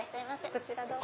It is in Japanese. こちらどうぞ。